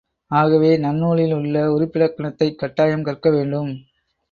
ஆகவே, நன்னூலில் உள்ள உறுப்பிலக்கணத்தைக் கட்டாயம் கற்க வேண்டும்.